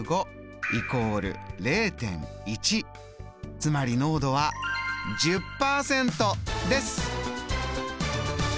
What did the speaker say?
つまり濃度は１０％です！